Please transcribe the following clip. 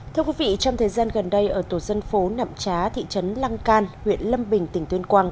thưa quý vị trong thời gian gần đây ở tổ dân phố nạm trá thị trấn lăng can huyện lâm bình tỉnh tuyên quang